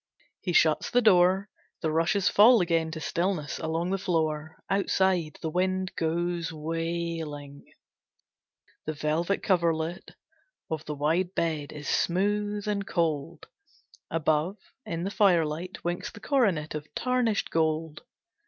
He shuts the door. The rushes fall again to stillness along the floor. Outside, the wind goes wailing. The velvet coverlet of the wide bed is smooth and cold. Above, in the firelight, winks the coronet of tarnished gold.